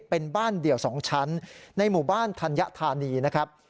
เป็นบ้านเดี่ยว๒ชั้นในหมู่บ้านธัญธานีนะครับ